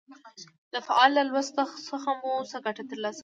د فعل له لوست څخه مو څه ګټه تر لاسه کړه.